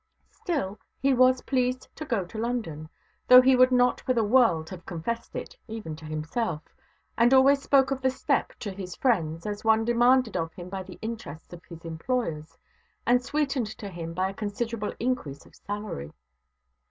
Still, he was pleased to go to London, though he would not for the world have confessed it, even to himself, and always spoke of the step to his friends as one demanded of him by the interests of his employers, and sweetened to him by a considerable increase of salary.